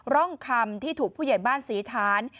ร่องคำที่ถูกผู้ใหญ่บ้านศรีฐาน